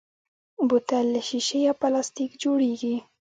بوتل له شیشې یا پلاستیک جوړېږي.